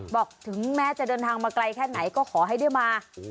ถึงแม้จะเดินทางมาไกลแค่ไหนก็ขอให้ได้มา